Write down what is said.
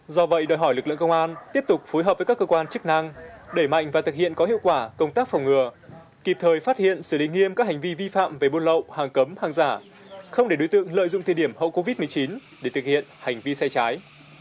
do vậy đòi hỏi lực lượng công an tiếp tục phối hợp với các cơ quan chức năng đẩy mạnh và thực hiện có hiệu quả công tác phòng ngừa kịp thời phát hiện xử lý nghiêm các hành vi vi phạm về buôn lậu hàng cấm hàng giả không để đối tượng lợi dụng thời điểm hậu covid một mươi chín để thực hiện hành vi sai trái